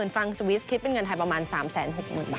๑๐๐๐๐ฟังสวีสคิดเป็นเงินไทยประมาณ๓๖๐๐๐๐บาท